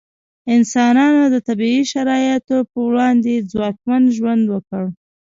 انسانانو د طبیعي شرایطو په وړاندې ځواکمن ژوند وکړ.